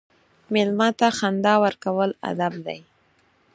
مېلمه ته خندا ورکول ادب دی.